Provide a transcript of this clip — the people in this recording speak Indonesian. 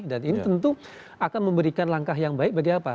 dan ini tentu akan memberikan langkah yang baik bagi apa